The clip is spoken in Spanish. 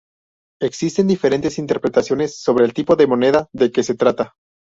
Existen diferentes interpretaciones sobre el tipo de moneda de que se trata.